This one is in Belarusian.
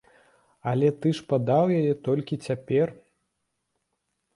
Але ты ж падаў яе толькі цяпер!